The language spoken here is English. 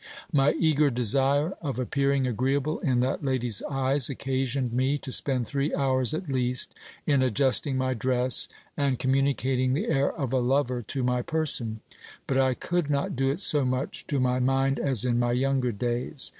My eager desire of appearing agreeable in that lady's eyes, oc casioned me to spend three hours at least in adjusting my dress, and com municating the air of a lover to my person ; but I could not do it so much to 442 GIL BLAS. my mind as in my younger days.